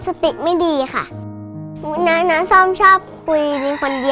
ซีนี่คือ